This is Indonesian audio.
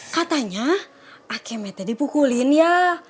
katanya akeme teh dipukulin ya